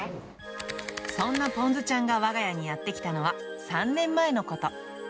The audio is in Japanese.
そんなぽんずちゃんがわが家にやって来たのは３年前のこと。